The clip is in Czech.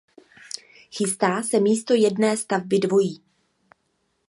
Chystá se místo jedné svatby dvojí.